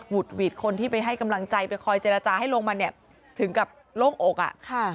ุดหวิดคนที่ไปให้กำลังใจไปคอยเจรจาให้ลงมาเนี่ยถึงกับโล่งอกอ่ะค่ะ